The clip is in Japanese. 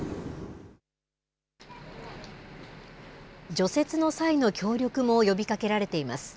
除雪の際の協力も呼びかけられています。